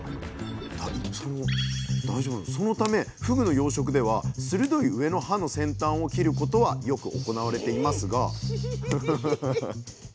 そのためふぐの養殖では鋭い上の歯の先端を切ることはよく行われていますがヒー！